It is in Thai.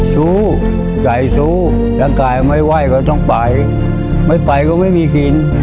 สู้ใจสู้ร่างกายไม่ไหวก็ต้องไปไม่ไปก็ไม่มีกิน